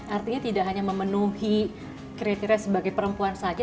artinya tidak hanya memenuhi kriteria sebagai perempuan saja